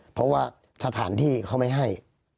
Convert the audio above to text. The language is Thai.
เพราะว่าสถานที่เขาไม่ให้